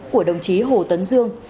của đồng chí hồ tấn dương